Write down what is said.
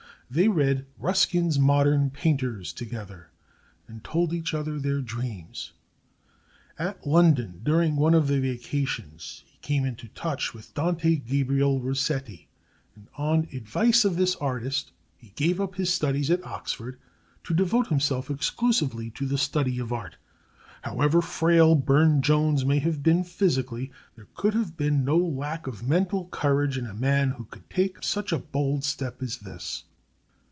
They read Ruskin's "Modern Painters" together, and told each other their dreams. At London during one of the vacations he came into touch with Dante Gabriel Rossetti, and on advice of this artist gave up his studies at Oxford to devote himself exclusively to the study of art. However frail Burne Jones may have been physically, there could have been no lack of mental courage in the man who could take such a bold step as this.